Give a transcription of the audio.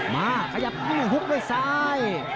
มาขยับหุบด้วยซ้าย